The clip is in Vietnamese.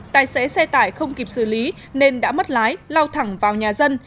tài xế xe tải không kịp xử lý nên đã mất lái lao thẳng vào nhà dân